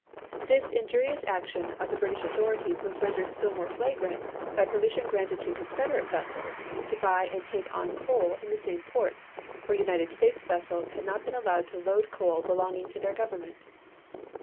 This injurious action of the British authorities was rendered still more flagrant by permission granted to Confeder ate vessels to buy and take on coal in the same ports where United States vessels had not been allowed to load coal belonging to their Govern ment.